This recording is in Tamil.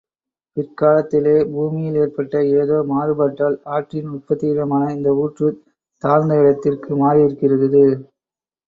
பிற்காலத்திலே பூமியில் ஏற்பட்ட ஏதோ மாறுபட்டால், ஆற்றின் உற்பத்தியிடமான இந்த ஊற்றுத் தாழ்ந்த இடத்திற்கு மாறியிருக்கிறது.